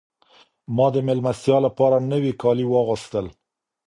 ما د مېلمستیا لپاره نوي کالي واغوستل.